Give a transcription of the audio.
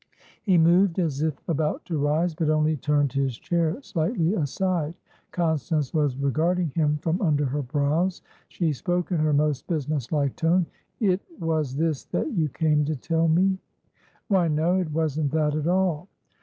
He moved as if about to rise, but only turned his chair slightly aside. Constance was regarding him from under her brows. She spoke in her most businesslike tone. "It was this that you came to tell me?" "Why, no. It wasn't that at all."